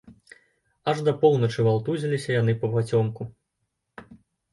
Аж да поўначы валтузіліся яны папацёмку.